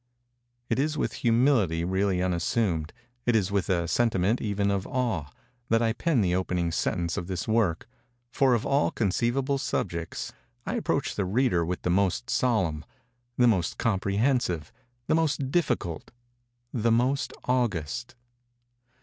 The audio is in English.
It is with humility really unassumed—it is with a sentiment even of awe—that I pen the opening sentence of this work: for of all conceivable subjects I approach the reader with the most solemn—the most comprehensive—the most difficult—the most august.